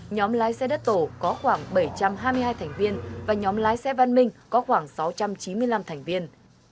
nhóm lái xe đất tổ có khoảng bảy trăm hai mươi hai thành viên và nhóm lái xe văn minh có khoảng sáu trăm chín mươi năm thành viên